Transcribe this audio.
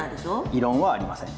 異論はありません。